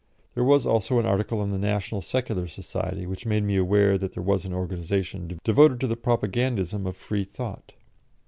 There was also an article on the National Secular Society, which made me aware that there was an organisation devoted to the propagandism of Free Thought.